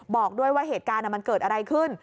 บอกด้วยว่าเหตุการณ์มันเกิดอะไรขึ้น